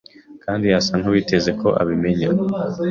Kandi asa nkuwiteze ko abimenya!